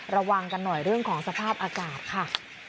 ระวังกันหน่อยเรื่องของสภาพอากาศค่ะ